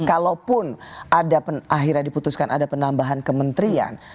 kalaupun ada akhirnya diputuskan ada penambahan kementerian